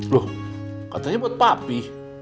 loh katanya buat papi